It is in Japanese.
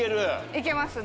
いけますね。